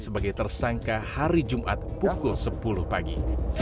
sebagai tersangka hari jumat pukul sepuluh pagi